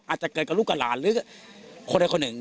อาจจะเกิดกระลูกกระหลานหรือคนเดียวคนอื่น